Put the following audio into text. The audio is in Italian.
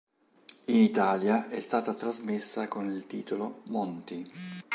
In Italia è stata trasmessa con il titolo "Monty".